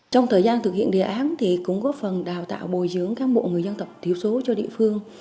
trong thời gian thực hiện đề án thì cũng có phần đào tạo bồi dưỡng các bộ người dân tộc thiếu số cho địa phương